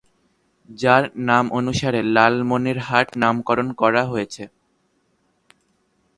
যার নামানুসারে লালমনিরহাট নামকরণ করা হয়েছে।